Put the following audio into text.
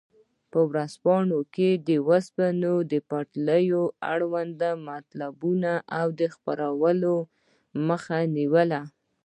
په ورځپاڼو کې د اوسپنې پټلیو اړوند مطالبو د خپرولو مخه نیوله.